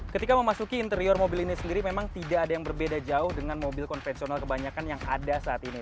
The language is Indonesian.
ketika memasuki interior mobil ini sendiri memang tidak ada yang berbeda jauh dengan mobil konvensional kebanyakan yang ada saat ini